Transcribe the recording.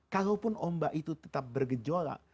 kalaupun ombak itu tetap bergejolak